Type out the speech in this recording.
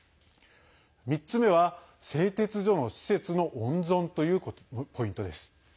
３つ目は、製鉄所の施設の温存というポイントです。